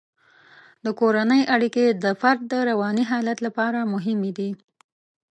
د کورنۍ اړیکې د فرد د رواني حالت لپاره مهمې دي.